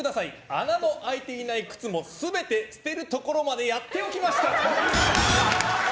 穴の開いていない靴も全て捨てるところまでやっておきました！